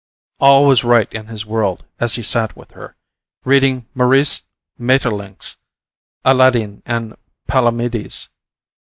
All was right in his world as he sat with her, reading Maurice Maeterlinck's Alladine and Palomides.